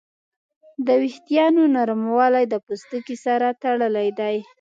د وېښتیانو نرموالی د پوستکي سره تړلی دی.